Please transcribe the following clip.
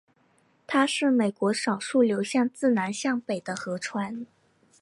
它是美国少数流向自南向北的河川。